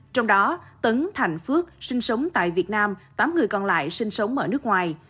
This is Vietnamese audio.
trong đó tấn thành phước sinh sống tại việt nam tám người còn lại sinh sống ở nước ngoài